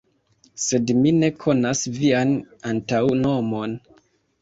Sed mi ne konas vian antaŭnomon.